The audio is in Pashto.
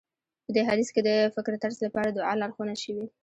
په دې حديث کې د فکرطرز لپاره دعا لارښوونه شوې.